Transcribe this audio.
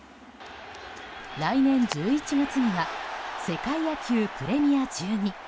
来年１１月には世界野球プレミア１２。